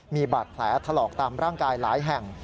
มีบาดแผลถลอกตามร่างกายหลายแห่ง